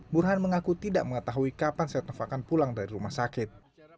burhan mengaku tidak mengetahui kapan setnov akan pulang dari rumah sakit